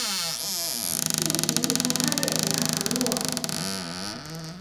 不停从她脸颊滑落